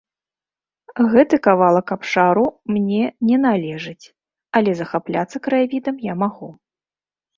Гэты кавалак абшару мне не належыць, але захапляцца краявідам я магу.